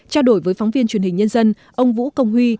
trao đổi với phóng viên truyền hình nhân dân ông vũ công huy